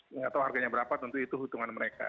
tidak tahu harganya berapa tentu itu hutungan mereka